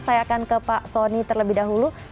saya akan ke pak soni terlebih dahulu